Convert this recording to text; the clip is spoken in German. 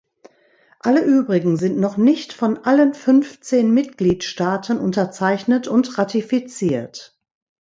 Alle übrigen sind noch nicht von allen fünfzehn Mitgliedstaaten unterzeichnet und ratifiziert.